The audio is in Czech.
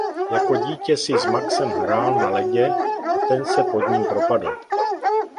Jako dítě si s Maxem hrál na ledě a ten se pod ním propadl.